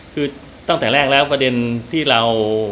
คือตั้งแต่แรกแล้วประเด็นที่เรา